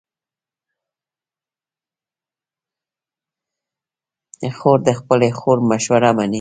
خور د خپلې خور مشوره منې.